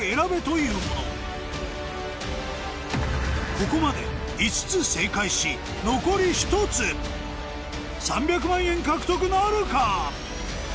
ここまで５つ正解し残り１つ３００万円獲得なるか？